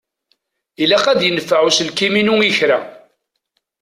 Ilaq ad yenfeɛ uselkim-inu i kra.